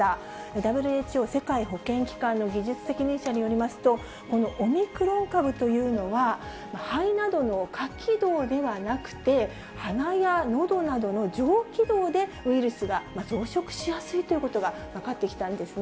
ＷＨＯ・世界保健機関の技術責任者によりますと、このオミクロン株というのは、肺などの下気道ではなくて、鼻やのどなどの上気道でウイルスが増殖しやすいということが分かってきたんですね。